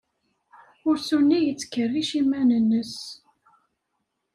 Ursu-nni yettkerric iman-nnes.